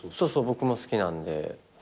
僕も好きなんで。